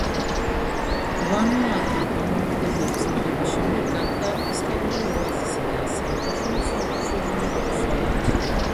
ვანუატუ დამოუკიდებლობის მიღების შემდეგ გახდა „ფისკალური ოაზისი“ და საერთაშორისო ოფშორული ზონა.